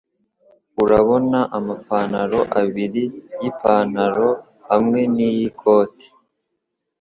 Urabona amapantaro abiri yipantaro hamwe niyi koti.